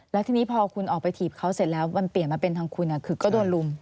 แล้วทีนี้พอคุณออกไปถีบเขาเสร็จแล้วมันเปลี่ยนมาเป็นทางคุณคือก็โดนลุม